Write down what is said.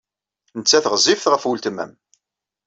Nettat ɣezzifet ɣef weltma-m.